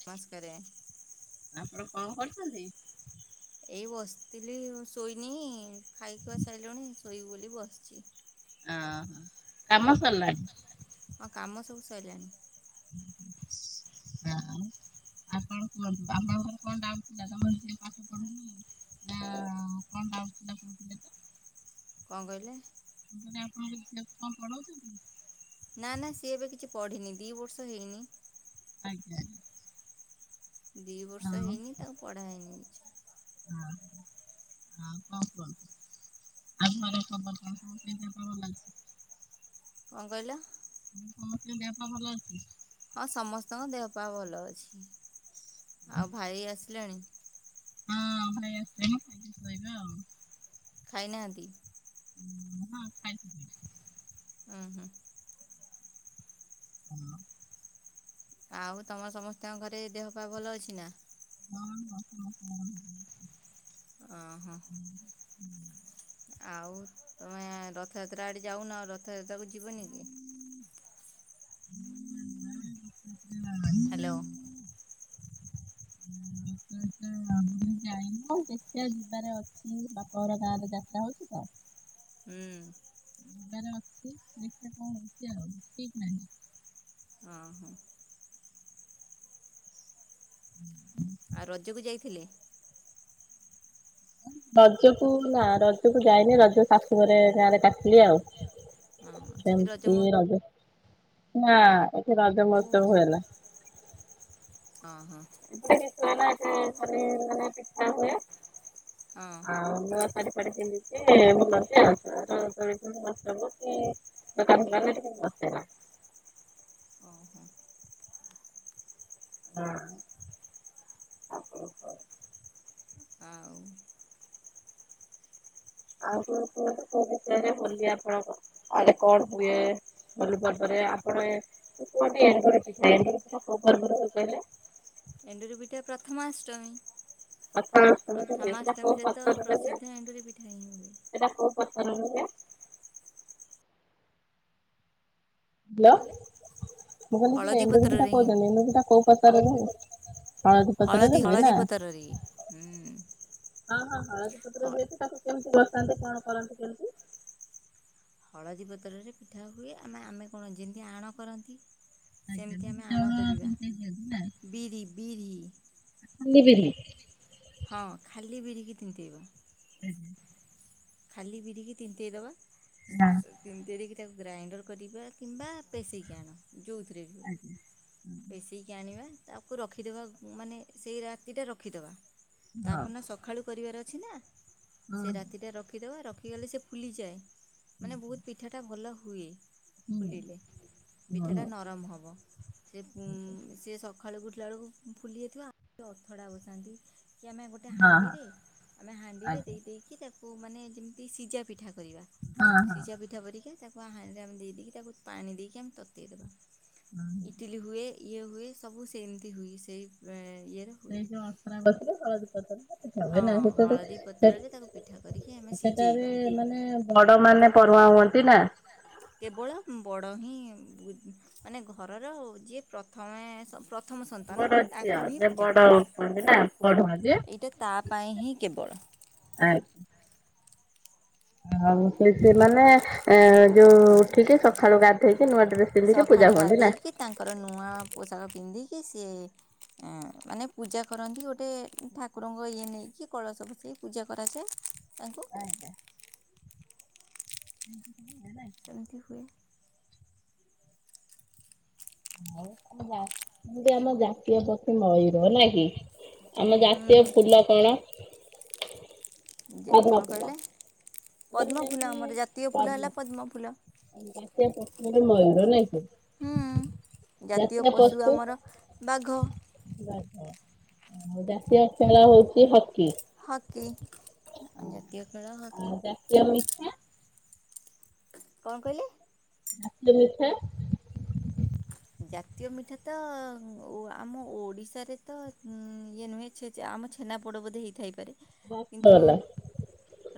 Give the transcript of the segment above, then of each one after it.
ନମସ୍କାରେ। ଆପଣ କଣ କରୁଛନ୍ତି? ଏଇ ବସିଥିଲି ଶୋଇନି, ଖାଇଖୁଆ ସାରିଲୁଣି ଶୋଇବୁ ବୋଲି ବସିଛି। ଓହୋ କାମ ସରିଲାଣି। ହଁ କାମ ସବୁ ସରିଲାଣି। ନା। ଆଉ କଣ କୁହନ୍ତୁ, ଆପଣଙ୍କର କଣ ଡାଉଟ ଥିଲା [unintelligible] ହଁ କଣ କାମ ଥିଲା [unintelligible] କଣ କହିଲେ? ପୁଣି ଆପଣଙ୍କ ମିସେସ କଣ ପଢଉଛନ୍ତି। ନା ନା ସିଏ ଏବେ କିଛି ପଢିନି, ଦି ବର୍ଷ ହେଇନି। ଆଜ୍ଞା ଦି ବର୍ଷ ହଁ ହେଇନି ତାଙ୍କୁ ପଢା ହେଇଯାଇଛି। ହଁ ହଁ କ କ ଆଉ କଣ ଖବର କହ [unintelligible] କଣ କହିଲ? ସମସ୍ତଙ୍କ ଦେହ ପା ଭଲ ଅଛି? ହଁ ସମସ୍ତଙ୍କ ଦେହପା ଭଲ ଅଛି। ଆଉ ଭାଇ ଆସିଲାଣି? ହଁ ଭାଇ ଆସିଲେନି ଖାଇକି ଶୋଇବେ ଆଉ ଖାଇନାହାନ୍ତି? ହଁ। ଖାଇଥିଲି ହଁ ହଁ। ହୁଁ ଆଉ ତମ ସମସ୍ତଙ୍କ ଘରେ ଦେହ ପାହା ଭଲ ଅଛି ନା? ଅହ ହ ହ ହ। ଅହ। ଆଉ ତମେ ରଥଯାତ୍ରା ଆଡେ ଯାଉନ ରଥଯାତ୍ରାକୁ ଯିବନି କି? ହୁଁ। ହାଲୋ। ହଁ ଦେଖିବା ଯିବାରେ ଅଛି ବାପା ଘର ଗାଁରେ ଯାତ୍ରା ହଉଛି ତ ହୁଁ। ଯିବାର ଅଛି ଦେଖିଆ କଣ ହେଉଛି ଆଉ ଠିକ ନାହିଁ। ଅହ। ହ ଆଉ ରଜକୁ ଯାଇଥିଲେ? ରଜକୁ ନା ରଜକୁ ଯାଇନି ରଜ ଶାଶୁ ଘରେ ଗାଁରେ କାଟିଲି ଆଉ ହଁ ସେଠି ସେମତି ମହୋତ୍ସବ ରଜ ନା ଏଠି ରଜ ମଜ ହୁଏନା। ଅହ। [inaudible] ମାନେ ପିଠା ହୁଏ। ହଁ ଆଉ ନୂଆ ଶାଢୀ ପାଢ଼ୀ ପିନ୍ଧି [inaudible] ଅହ। ହଁ। ଆଉ ଆଉ [inaudible] ହୋଲି ଆପଣଙ୍କ କଣ ହୁଏ? ହୋଲି ପର୍ବରେ ଆପଣ କୁହନ୍ତି ଏଣ୍ଡୁରି ପିଠା ଏଣ୍ଡୁରି ପିଠା କୋଉ ପର୍ବରେ ହୁଏ କହିଲେ? ଏଣ୍ଡୁରି ପିଠା ପ୍ରଥମାଷ୍ଟମୀ। ପ୍ରଥମା ଅଷ୍ଟମୀରେ ହୁଏ ସେଟା କୋଉ ପ୍ରଥମାଷ୍ଟମୀରେ ତ ପ୍ରସିଦ୍ଧ ଏଣ୍ଡୁରି ପିଠା ହିଁ ହୁଏ। ସେଇଟା କୋଉ ପର୍ବରେ ହୁଏ? ହାଲୋ କହିଲେ ମୁଁ କହିଲି ହଳଦୀ ଏଣ୍ଡୁରି ପିଠା ପତ୍ରରେ ହିଁ ହୁଏ କହୁଛନ୍ତି ଏଣ୍ଡୁରି ପିଠା କୋଉ ପତରରେ ହୁଏ? ହଳଦୀ ପତରରେ ହୁଏ ହଳଦୀ ନାଁ। ପତ୍ରରେ ହୁଁ ହଁ ହଁ ହଁ ହଳଦୀ ହ ପତରରେ ହୁଏ ଯେ ତାକୁ କେମିତି ବସାନ୍ତି କଣ କରନ୍ତି କେମିତି? ହଳଦୀ ପତ୍ରରେ ପିଠା ହୁଏ ଆମେ ଆମେ କଣ ଯେମିତି ଆଣ କରନ୍ତି। ଆଜ୍ଞା ସେମିତି ବିରି ଆମେ ଆଣ ଚାଉଳ କରିବା ତିନ୍ତେଇ ଦିଅନ୍ତି ନା ବିରି ବିରି ଖାଲି ବିରି। ହଁ ଖାଲି ବିରିକି ତିନ୍ତେଇବା। ହୁଁ। ଖାଲି ବିରିକି ତିନ୍ତେଇଦେବା ହଁ। ତିନତିରିକି ତାକୁ ଗ୍ରାଇଣ୍ଡର କରିବା କିମ୍ବା ପେଶେଇକି ଆଣ। ଯୋଉ ଥିରେ ଭି ଆଜ୍ଞା। ପେସେଇକି ଆଣିବା। ତାକୁ ରଖିଦେବା ମାନେ ସେଇ ରାତିଟା ରଖିଦେବା ତା ପରଦିନ ସ ସଖାଳୁ କରିବାର ଅଛି ନା ହଁ ସେ ହଁ ରାତିଟା ରଖିଦେବା ରଖିଗଲେ ସେ ଫୁଲିଯାଏ ମାନେ ବହୁତ ପିଠାଟା ଭଲ ହୁଏ। ହଁ ଫୁଲିଲେ ହଁ। ପିଠାଟା ହଁ। ନରମ ହବ। ସେ ସେ ସକାଳୁ ଉଠିଲା ବେଳକୁ ଫୁଲି ଯାଇଥିବ ଆଉ ଅଥଡ଼ା ବସାନ୍ତି। କି ଆମେ ଗୋଟେ ହଁ ହଁ ହାଣ୍ଡିରେ ଆମେ ହାଣ୍ଡିରେ ଆଜ୍ଞା ଦେଇ ଦେଇଦେଇକି ତାକୁ ମାନେ ଯେମତି ସିଝା ପିଠା କରିବା ହଁ ହଁ ସିଝା ପିଠା ଧରିକି ତାକୁ ଆ ହାଣ୍ଡିରେ ଆମେ ଦେଇ ଦେଇକି ତାକୁ ପାଣି ଦେଇକି ଆମେ ତତେଇଦବା ହଁ ଇଟିଲି ହୁଏ। ଇଏ ହୁଏ ସବୁ ସେମିତି ହୁଏ ସେଇ ପ୍ର ଇଏରେ ସେ ହୁଏ ମାଥାନ [inaudible] ହ ହଁ ନା ସେତୁ ହଳଦୀ ସେ ପତ୍ରରେ ତାକୁ ପିଠା କରିକି ଆମେ ସେଠାରେ ସିଝେଇବା ମାନେ ବଡ ମାନେ ପରମା ହୁଅନ୍ତି। ନା କେବଳ ବଡ଼ ହିଁ ମାନେ ଘରର ଯିଏ ପ୍ରଥମେ ପ୍ରଥମ ସନ୍ତାନ ବଡ ଝିଅ ତାଙ୍କୁ ହିଁ ଯେ ପୂଜା ବଡ କୁହନ୍ତି ନା ପଢୁଆଁ ଯେ କରାଯାଏ ଏଇଟା ତା ପାଇଁ ହିଁ କେବଳ। ଆଇ ଆଉ ସେ ସେମାନେେ ଯୋଉ ଉଠିକି ସକାଳୁ ଗା ହେଇ କି ନୂଆଡେସ ପିନ୍ଧିକି ସକାଳୁ ପୂଜା ହୁଅନ୍ତି। ନା ଗାଧେଇକି ତାଙ୍କର ନୂଆ ପୋଷାକ ପିନ୍ଧିକି ସିଏ ମାନେ ପୂଜା କରନ୍ତି। ଗୋଟେ ଠାକୁରଙ୍କ ଇଏ ନେଇକି କଳସ ବସେଇକି ପୂଜା କରାଯାଏ। ତାଙ୍କୁୁ ଆଜ୍ଞା। ଏମିତି ହୁଏ। ଏମତି ଆମ ଜାତୀୟ ପକ୍ଷୀ ମୟୂର ନ କି ଆମ ଜାତୀୟ ହୁଁ ଫୁଲ କ'ଣ? ପଦ୍ମ କଣ ଫୁଲ କହିଲେ? ପଦ୍ମ ଫୁଲ ଆମର ଜାତୀୟ ଫୁଲ ହେଲା ଯେମିତି! ପଦ୍ମ ଫୁଲ। [unintelligible] ମୟୂର ନାଇଁ କି? ହୁଁ ଜାତୀୟ ପଶୁ ଆମର ବାଘ। ଆଉ ଜାତୀୟ ଖେଳ ହଉଛି। ହକି ହକି ଆମ ଜାତୀୟ ଖେଳ ହାକି। ୟାମି କ'ଣ କହିଲେ? ଜାତୀୟ ମିଠା ଜାତୀୟ ମିଠା ତ ଆମ ଓଡ଼ିଶାରେ ତ ଇଏ ନୁହେଁ। ଚେ ଯେ ଆମ ଛେନା ପୋଡ଼ ବୋଧେ ହେଇଥାଇପାରେ! କିନ୍ତୁ ରସଗୋଲା।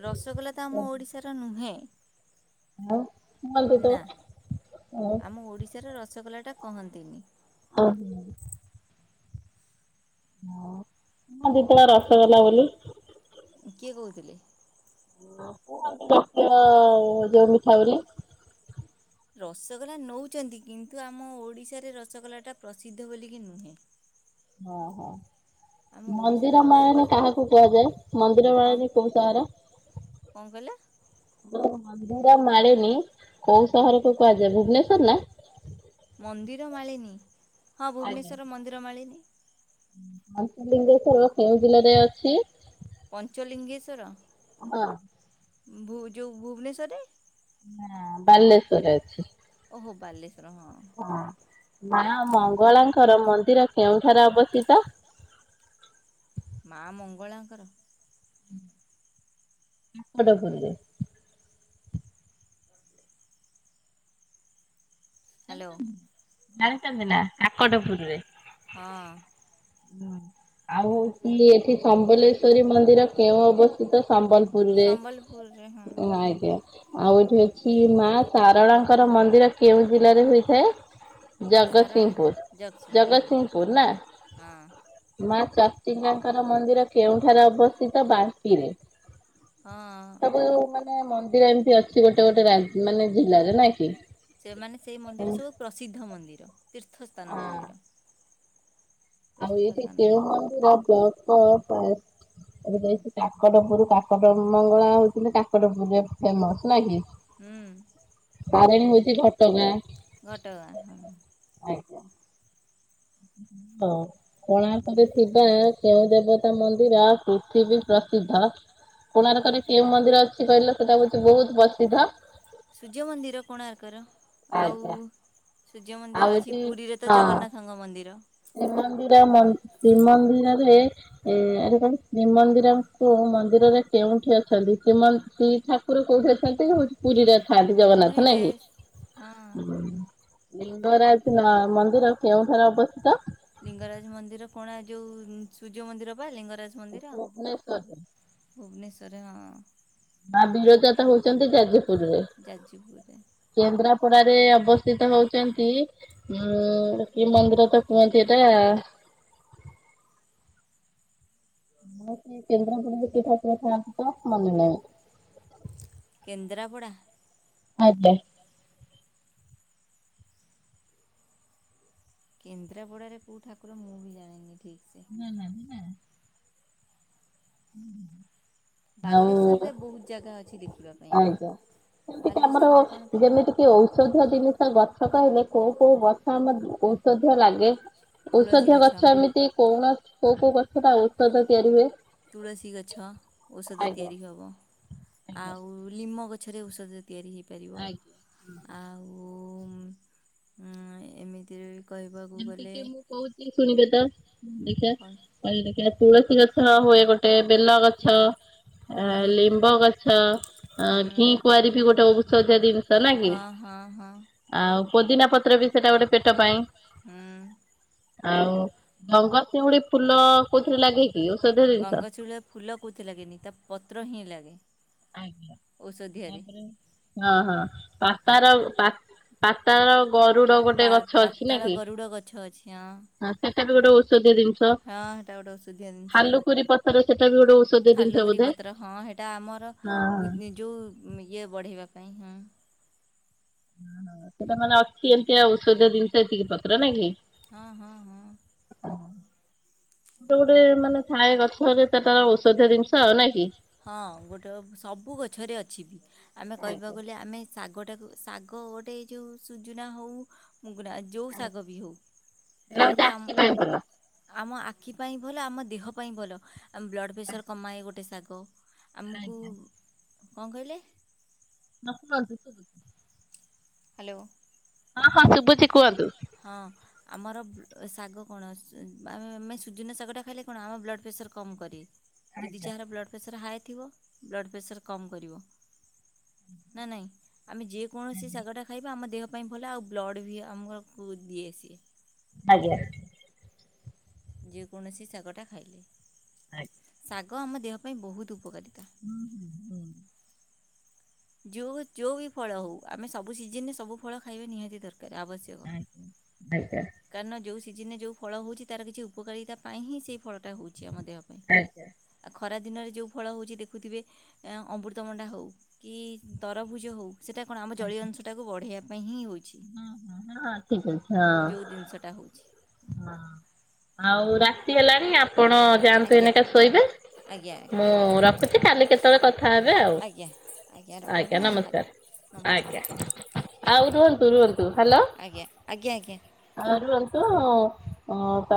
ରସଗୋଲା ତ ଆମ ଓଡିଶାର ନୁହେଁ। ହ [inaudible] ମୁଁ ଓଡ଼ିଶାର ରସଗୋଲା ଟା କହନ୍ତିନି। ହଁ ରସଗଲା ବୋଲି କିଏ କହୁଥିଲେ? ଖ ଯୋଉ ମିଠା ବୋଲି। ରସଗୋଲା ନେଉଛନ୍ତି। କିନ୍ତୁ ଆମ ଓଡ଼ିଶାରେ ରସଗୋଲାଟା ପ୍ରସିଦ୍ଧ ବୋଲିକି ନୁହେଁ। ଓହୋ ଆମ ଓଡ଼ିଶାର ମନ୍ଦିର ମାଳିନୀ ରସଗୋଲା କାହାକୁ କୁହାଯାଏ? ମନ୍ଦିର କଣ ମାଳିନୀ କୋଉ ସହର। କ'ଣ କହିଲେ? ମନ୍ଦିର ମାଳିନି କୋଉ ସହରକୁ କୁହାଯାଏ। ଭୁବନେଶ୍ଵର ନା ମନ୍ଦିର ମାଳିନି ହଁ ଆଜ୍ଞା। ଭୁବନେଶ୍ୱର ମନ୍ଦିର ମାଳିନି। ପଞ୍ଚୁଲିିଙ୍ଗଶ୍ବର କେଉଁ ଜିଲ୍ଲାରେ ଅଛି? ପଞ୍ଚଲିଙ୍ଗେଶ୍ଵର ହଁ ଯେଉଁ ଭୁବନେଶ୍ୱରରେ ହଁ ବାଲେଶ୍ଵରରେ ଅଛି। ଓହୋ ବାଲେଶ୍ଵର ହଁ ମା ମଙ୍ଗଳାଙ୍କର ମନ୍ଦିର କେଉଁଠାରେ ଅବସ୍ଥିତ? ମା ମଙ୍ଗଳାଙ୍କର [unintelligible] ହ୍ୟାଲୋ ଜାଣିଛନ୍ତି ନା ଆକଟପୁରରେ। ହଁ ଆଉ ହଉଛି ଏଠି ସମ୍ବଲେଶ୍ଵରୀ ମନ୍ଦିର କେଉଁ ଅବସ୍ଥିତ ସମ୍ବଲ? ସମ୍ବଲପୁରରେ ହଁ ପୂର୍ ଆଜ୍ଞା ଆଉ ଏଇଠି ଅଛି ମା ସାରଳାଙ୍କର ମନ୍ଦିର କେଉଁ ଜିଲ୍ଲାରେ ହୋଇଥାଏ? ମା ଶାରଳା ଜଗତସିଂହପୁର ହଁ ଜଗତସିଂହପୁର ନା। ହଁ। ମା ଚର୍ଚ୍ଚିକାଙ୍କର ମନ୍ଦିର କେଉଁଠାରେ ଅବସ୍ଥିତ ବାଙ୍କିରେ। ହଁ। ସବୁ ମାନେ ମନ୍ଦିର ଏମିତି ଅଛି ଗୋଟେ ଗୋଟେ ମାନେ ଜିଲ୍ଲାରେ ନାଇଁ କି। ସେମାନେ ସେଇ ହଁ। ମନ୍ଦିର ସବୁ ପ୍ରସିଦ୍ଧ ମନ୍ଦିର ତୀର୍ଥସ୍ଥାନ ମନ୍ଦିର। ଆଉ ଏଇଠି ତୀର୍ଥସ୍ଥାନ କେଉଁ ମନ୍ଦିର [unintelligible] ଏବେ ଯାଇଛି କାକଟପୁର କାକଟ ମଙ୍ଗଳା ହଉଛନ୍ତି କାକଟପୁରରେ ଫେମସ ନାକି। ହୁଁ। ତାରିଣୀ ହଉଛି ଘଟଗାଁ। ଘଟଗାଁ ହଁ। ଆଜ୍ଞା। ହଁ। କୋଣାର୍କରେ ଥିବା କେଉଁ ଦେବତା ମନ୍ଦିର ପୃଥିବୀ ପ୍ରସିଦ୍ଧ? କୋଣାର୍କରେ କେଉଁ ମନ୍ଦିର ଅଛି କହିଲ ସେଟା ହଉଛି ବହୁତ ପ୍ରସିଦ୍ଧ? ସୂର୍ଯ୍ୟ ମନ୍ଦିର କୋଣାର୍କର ଆଉ ଆଜ୍ଞା ସୂର୍ଯ୍ୟ ଆଉ ମନ୍ଦିର ଅଛି, ଏଠି ପୁରୀରେ ତ ହଁ ଜଗନ୍ନାଥଙ୍କ ମନ୍ଦିର। ଶ୍ରୀମନ୍ଦିର ମୟି ଶ୍ରୀମନ୍ଦିରରେ ଏ ଆରେ କହିଲୁ ଶ୍ରୀମନ୍ଦିର କୁ ମନ୍ଦିରରେ କେଉଁଠି ଅଛନ୍ତି ଶ୍ରୀମନ୍ଦିର କୁ ଠା ଠାକୁର କୋଉଠି ଅଛନ୍ତି ପୁରୀରେ ଥାଆନ୍ତି ଜଗନ୍ନାଥ ପୁରୀରେ ନାଇଁ ହଁ କି। ଲିଙ୍ଗରାଜ ମନ୍ଦିର କେଉଁଠାରେ ଅବସ୍ଥିତ? ଲିଙ୍ଗରାଜ ମନ୍ଦିର କଣା ଯୋଉ ସୂର୍ଯ୍ୟ ମନ୍ଦିର ବା ଲିଙ୍ଗରାଜ ମନ୍ଦିର। ଭୁବନେଶ୍ୱରରେ। ଭୁବନେଶ୍ୱର ରେ ହଁ। ମା ବିରଜା ତ ହେଉଛନ୍ତି ଜାଯପୁରରେ। ଯାଜପୁରରେ କେନ୍ଦ୍ରାପଡା ରେ ଅବସ୍ଥିତ ହେଉଛନ୍ତି ଉଁ କି ମନ୍ଦିର ତ କୁହନ୍ତି ଏଇଟା। ଆସେ କେନ୍ଦ୍ରାପଡ଼ା ରେ କି ଠାକୁର ଥାଆନ୍ତି ତ ମନେ ନାହିଁ। କେନ୍ଦ୍ରାପଡ଼ା। ଆଜ୍ଞା। କେନ୍ଦ୍ରାପଡ଼ାରେ କୋଉ ଠାକୁର ମୁଁ ବି ଜାଣିନି ଠିକ୍ ସେ। ନା ନାହିଁ ନା। ଉଁ ହୁଁ ହୁଁ। ବାଲେଶ୍ୱରରେ ବହୁତ ଜାଗା ଅଛି ଦେଖିବାକୁ। ଆଜ୍ଞା। ଯେମିତି କି ଆମର କହିଲା ଯେମିତି ଟିକେ ଔଷଧୀୟ ଜିନିଷ ଗଛ କହିଲେ କୋଉ କୋଉ ଗଛ ଆମ ଆମ [inaudible] ପ୍ରଥମେ ଲାଗେ ଔଷଧୀୟ ଗଛ ଏମିତି କୌଣସି କୋଉ କୋଉ ଗଛଟା ଔଷଧ ତିଆରି ହୁଏ? ତୁଳସୀ ଗଛ ଔଷଧ ଆଜ୍ଞା। ତିଆରି ହବ, ଆଜ୍ଞା। ଆଉ ଲିମ ଗଛରେ ଔଷଧ ତିଆରି ହୋଇଇପାରିବ, ଆଜ୍ଞା ହଁ। ଆଉ ଉଁ ଏମିତିରେ କହିବାକୁ ଗଲେ ଯେମିତିକି ମୁଁ କହୁଛିି ଶୁଣିବେ ତ ଯେ ଦେଖିବା ତୁଳସୀ ଗଛ ହୁଏ ଗୋଟେ ବେଲ ଗଛ। ଆଁ ଲିମ୍ବ ଗଛ ଘି କ'ଣ କୁଆଁରି ବି ଗୋଟେ ଔଷଧୀୟ ଜିନିଷ। ନା କି? ହଁ ହଁ ହଁ। ଆଉ ପୋଦିନା ପତ୍ର ବି ସେଇଟା ଗୋଟେ ପେଟ ପାଇଁ ହଁ। ଆଉ ଗଙ୍ଗ ଶିଉଳି ଫୁଲ କୋଉଥିରେ ଲାଗେ କି ଔଷଧୀୟ ଜିନିଷ? ଗଙ୍ଗଶିଉଳିଆ ଫୁଲ କୋଉଥିରେ ଲାଗେନି ତା ପତ୍ର ହିଁ ଲାଗେ। ଔଷଧିଆରେ ହଁ ହଁ ପାପାର ପାତାଳ ଗରୁଡ ଗୋଟେ ପା ଗଛ ଅଛି ପାତାଳ ନାଇ କି, ଗରୁଡ଼ ଗଛ ଅଛି ହଁ ସେଟା ବି ଗୋଟେ ଔଷଧ ଔଷଧୀୟ ଜିନିଷ, ହଁ ହେଟା ଗୋଟେ ଔଷଧୀୟ ଜିନିଷ ଥାଲୁକୁରି ପତ୍ର ସେଟା ବି ଗୋଟେ ଔଷଧୀୟ ଜିନିଷ ଥାଲୁଗୁରି ବୋଧେ? ପତ୍ର ହଁ ହେଟା ଆମର ହଁ ବୁ ଜି ଯଉ ଇଏ ବଢ଼େଇବା ପାଇଁ ହଁ। ସେଟା ମାନେ ଅଛି ଏମିତିଆ ଔଷଧୀୟ ଜିନିଷ ଏତିକି ପତ୍ର ନାଇଁ କି। ହଁ ହଁ ହଁ। ଗୋଟେ ଗୋଟେ ମାନେ ଥାଏ ଗଛ ଯେ ତାର ଔଷଧୀୟ ଜିନିଷ ନାଇଁ କି। ହଁ ଗୋଟେ ସବୁ ଗଛରେ ଅଛି ବି। ଆମେ କହିବାକୁ ଗଲେ ଆମେ ଶାଗଟାକୁ ଶାଗ ଗୋଟେ ଏ ଯୋଉ ସୁଜୁନା ହଉ ମୁଗୁନା ଯୋଉ ଶାଗ ବି ହଉ, ସେଇଟା ହଉଛି ଖାଇଲେ ଆମ ଆଖି ପାଇଁ ଭଲ। ଆମ ଆଖି ପାଇଁ ଭଲ। ଆମ ଦେହ ପାଇଁ ଭଲ। ଆମ ବ୍ଲଡ଼ ପ୍ରେସର୍ କମାଏ ଗୋଟେ ଶାଗ। ଆମକୁ, କଣ କହିଲେ? [unintelligible] ହାଲୋ। ହଁ ହଁ ଶୁଭୁଚି କୁହନ୍ତୁ। ହଁ। ଆମର ଶାଗ କଣ ଆସୁ ଆମେ ସୁଜୁନା ଶାଗଟା ଖାଇଲେ କଣ ଆମ ବ୍ଲଡ଼ ପ୍ରେସର କମ୍ କରେ। ଯଦି ଯାହାର ବ୍ଲଡ୍ ପ୍ରେସର୍ ହାଏ ଥିବ ବ୍ଲଡ୍ ପ୍ରେସର୍ କମ୍ କରିବ। ନା ନାଇଁ, ଆମେ ଯେକୌଣସି ଶାଗ ଟା ଖାଇବା ଆମ ଦେହ ପାଇଁ ଭଲ। ଆଉ ବ୍ଲଡ଼୍ ବି ଆମକୁ ଦିଏ ସିଏ। ଆଜ୍ଞା। ଯେକୌଣସି ଶାଗଟା ଖାଇଲେ। [unintelligible] ଶାଗ ଆମ ଦେହ ପାଇଁ ବହୁତ୍ ଉପକାରିତା। ଯୋଉ ଯୋଉ ବି ଫଳ ହଉ ଆମେ ସବୁ ସିଜିନ୍ ରେ ସବୁ ଫଳ ଖାଇବା ନିହାତି ଦରକାର ଆବଶ୍ୟକ। ଆଜ୍ଞା। କାରଣ ଯୋଉ ସିଜିନ୍ ରେ ଯୋଉ ଫଳ ହଉଚି ତାର କିଛି ଉପକାରିତା ପାଇଁ ହିଁ ସେଇ ଫଳଟା ହଉ ଚି ଆମ ଦେହ ପାଇଁ। ଆଉ ଖରା ଦିନରେ ଯୋଉ ଫଳ ହଉଚି ଦେଖୁଥିବେ ଅମୃତଭଣ୍ଡା ହଉ କି ତରଭୁଜ ହଉ, ସେଇଟା କଣ ଆମ ଜଳୀୟ ଅଂଶ ଟାକୁ ବଢ଼େଇବା ପାଇଁ ହିଁ ହଉଚି। ହଁ ହଁ ହଁ ଠିକ୍ ଅଛି ଯେଉଁ ଜିନିଷଟା ହେଉଛି। ହଁ। ହଁ। ଆଉ ରାତି ହେଲାଣି ଆପଣ ଯାଆନ୍ତୁ ଆଜ୍ଞା ଏଇନିକା ଶୋଇବେ। ଆଜ୍ଞା ମୁଁ ଆଜ୍ଞା ରଖୁଚି କାଲି କେତେବେଳେ କଥା ହେବେ ଆଉ। ଆଜ୍ଞା ରଖନ୍ତୁ ଆଜ୍ଞା ଆମ କାଲି ନମସ୍କାର। ନମସ୍କାର ଆଜ୍ଞା। ଆଉ ରୁହନ୍ତୁ ରୁହନ୍ତୁ। ହାଲୋ। ଆଜ୍ଞା ଆଜ୍ଞା ଆଜ୍ଞା ଆଉ ରୁହନ୍ତୁ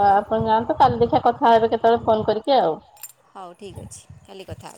ଆପଣ ଯାଆନ୍ତୁ କାଲି ଦେଖିଆ କଥା ହେବେ କେତେବେଳେ କଲ୍ କରିକି ଆଉ। ହଉ ଠିକ୍ ଅଛି। କାଲି କଥା ହବା।